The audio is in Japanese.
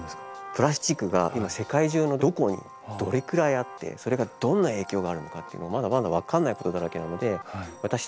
プラスチックが今世界中のどこにどれくらいあってそれがどんな影響があるのかってまだまだ分からないことだらけなので私たち